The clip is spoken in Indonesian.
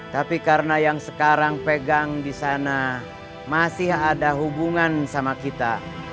tapi karena yang sekarang pegang di sana masih ada hubungan sama kita